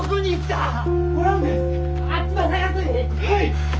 はい！